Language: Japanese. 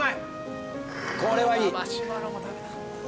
これはいい。